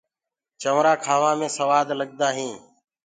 چونٚرآ کآوآ مي سوآ لگدآ هينٚ۔